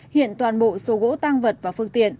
hiện toàn bộ số gỗ tăng vật và phương tiện